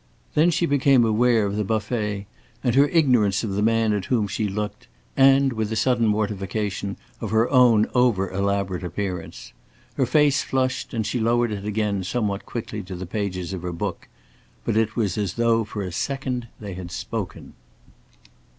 Then she became aware of the buffet, and her ignorance of the man at whom she looked, and, with a sudden mortification, of her own over elaborate appearance. Her face flushed, and she lowered it again somewhat quickly to the pages of her book. But it was as though for a second they had spoken.